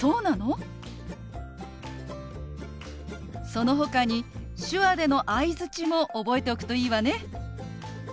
そのほかに手話での相づちも覚えておくといいわね。